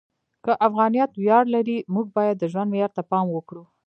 که افغانیت ویاړ لري، موږ باید د ژوند معیار ته پام وکړو.